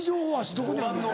どこにあんねん。